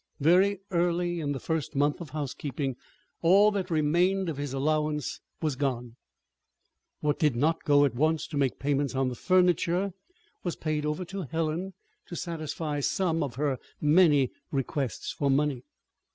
Very early in the first month of housekeeping all that remained of his allowance was gone. What did not go at once to make payments on the furniture was paid over to Helen to satisfy some of her many requests for money.